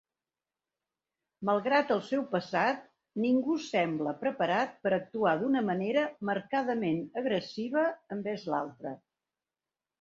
Malgrat el seu passat, ningú sembla preparat per actuar d'una manera marcadament agressiva envers l'altre.